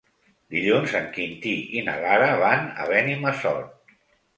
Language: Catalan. Dilluns en Quintí i na Lara van a Benimassot.